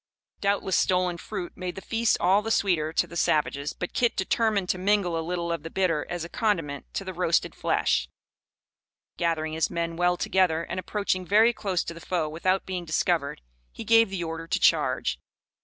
Doubtless stolen fruit made the feast all the sweeter to the savages, but Kit determined to mingle a little of the bitter as a condiment to the roasted flesh. Gathering his men well together, and approaching very close to the foe without being discovered, he gave the order to charge.